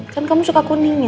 kan kamu suka kuningnya